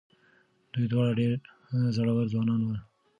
دوی دواړه ډېر زړور ځوانان ول.